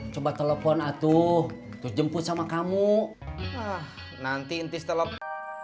coba telepon atuh tuh jemput sama kamu nanti ntis telepon